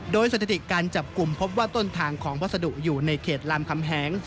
โดยสถิติการจับกลุ่มพบว่าต้นทางของวัสดุอยู่ในเขตลำคำแหง